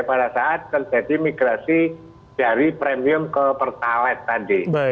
pada saat terjadi migrasi dari premium ke pertalat tadi